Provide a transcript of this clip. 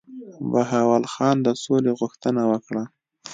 بهاول خان د سولي غوښتنه وکړه.